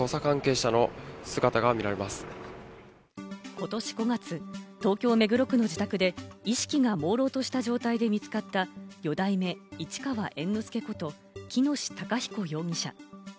ことし５月、東京・目黒区の自宅で意識がもうろうとした状態で見つかった四代目市川猿之助こと喜熨斗孝彦容疑者。